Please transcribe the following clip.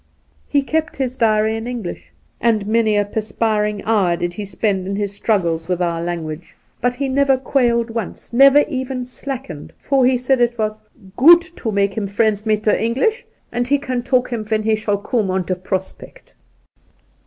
He kept his diary in English, and many a per spiring hour did he spend in his struggles with our 6o Soltke language ; but he never quailed once, never even slackened, for he said it was ' goot to make him friends mit der English, and he can talk him when he shall coom on der prospect.'